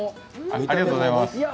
ありがとうございます。